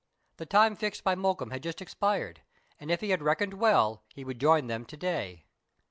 The time fixed by Mokoum had just expired, and if he had reckoned well, he would join them to day.